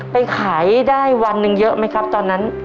ไปขายได้วันหนึ่งเยอะไหมครับตอนนั้น